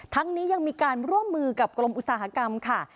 ทั้งนี้ยังมีการร่วมมือกับกรมอุตสาหกรรมค่ะ